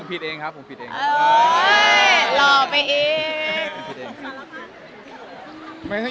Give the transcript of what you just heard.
คิมงอนน้อยลงไหม